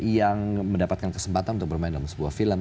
yang mendapatkan kesempatan untuk bermain dalam sebuah film